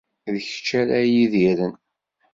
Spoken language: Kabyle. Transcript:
D kečč ara iyi-d-irren.